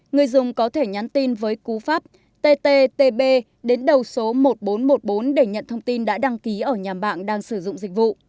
người dùng có thể nhắn tin với cú pháp ttb đến đầu số một nghìn bốn trăm một mươi bốn để nhận thông tin đã đăng ký ở nhà mạng đang sử dụng dịch vụ